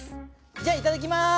じゃあいただきます！